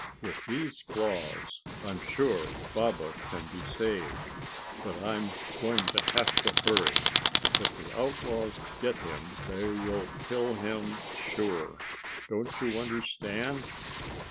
"With these claws I'm sure Baba can be saved, but I'm going to have to hurry. If the outlaws get him they will kill him sure. Don't you understand?"